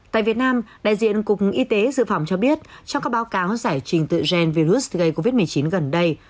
tại việt nam đại diện cục y tế dự phòng cho biết trong các báo cáo giải trình tự gen virus gây covid một mươi chín gần đây